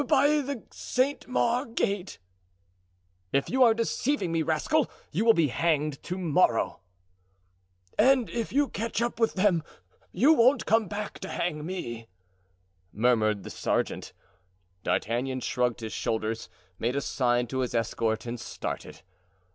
"By the Saint Maur gate." "If you are deceiving me, rascal, you will be hanged to morrow." "And if you catch up with them you won't come back to hang me," murmured the sergeant. D'Artagnan shrugged his shoulders, made a sign to his escort and started.